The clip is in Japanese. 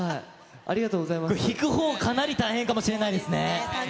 引くほう、かなり大変かもしれないですね。